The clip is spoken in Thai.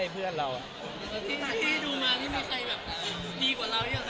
ที่ดูมานี่มีใครแบบ